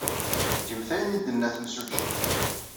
Gemt ayen ay d-tenna temsujjit.